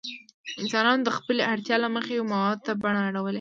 انسانانو د خپلې اړتیا له مخې موادو ته بڼه اړولې.